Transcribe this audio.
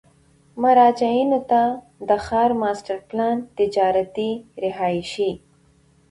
مراجعینو ته د ښار ماسټر پلان، تجارتي، رهایشي،